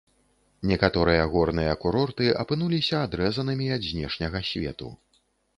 Некаторыя горныя курорты апынуліся адрэзанымі ад знешняга свету.